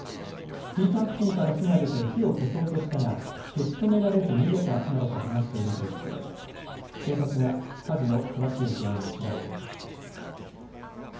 ヒーター付近から火が出て火を消そうとしたが消し止められず逃げたなどと話しているということで警察が火事の詳しい原因を調べています。